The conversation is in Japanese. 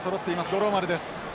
五郎丸です。